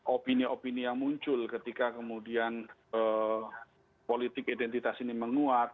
opini opini yang muncul ketika kemudian politik identitas ini menguat